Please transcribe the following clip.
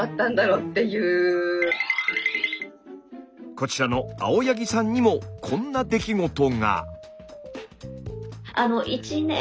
こちらの青柳さんにもこんな出来事が。